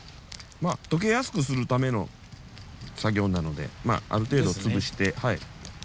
溶けやすくするための作業なのである程度潰して。